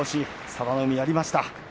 佐田の海やりました。